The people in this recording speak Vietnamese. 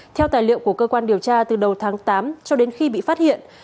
theo tài liệu của cơ quan điều tra từ đầu tháng tám cho đến khi bị phát hiện